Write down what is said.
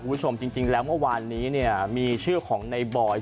คุณผู้ชมจริงแล้วเมื่อวานนี้เนี่ยมีชื่อของในบอยศ์